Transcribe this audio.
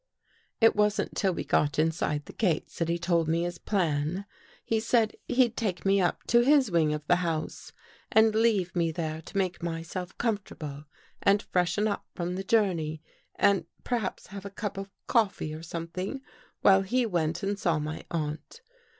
It wasn't till we got inside the gates that he told me his plan. He said he'd take me up to his wing of the house and leave me there to make myself com 304 THE WATCHERS AND THE WATCHED fortable and freshen up from the journey and per haps have a cup of coffee or something, while he went and saw my aunt.